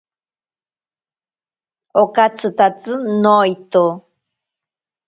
Okatyitatsi noito.